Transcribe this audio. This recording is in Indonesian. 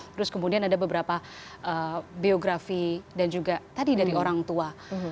terus kemudian ada beberapa biografi dan juga tadi dari orang tua